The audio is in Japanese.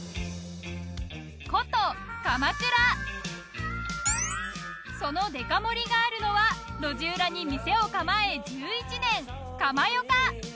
古都そのデカ盛りがあるのは路地裏に店を構え１１年かまよか。